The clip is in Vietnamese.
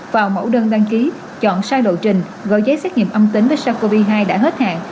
vào mẫu đơn đăng ký chọn sai lộ trình gọi giấy xét nghiệm âm tính với sars cov hai đã hết hạn